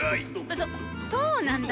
そっそうなんだ。